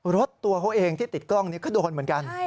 รถตัวเองที่ติดกล้องเนี่ยกระโดนเหมือนกัน